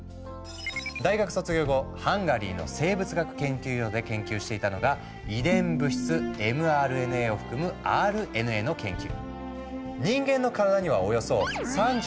大学卒業後ハンガリーの生物学研究所で研究していたのが遺伝物質ｍＲＮＡを含む「ＲＮＡ」の研究。